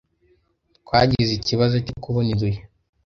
Twagize ikibazo cyo kubona inzu ye.